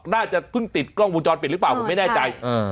น่าจะเพิ่งติดกล้องมูลจอดเปลี่ยนหรือเปล่าผมไม่แน่ใจเออ